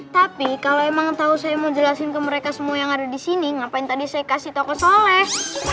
tapi kalau emang tau saya mau jelasin ke mereka semua yang ada disini ngapain tadi saya kasih tau ke soleh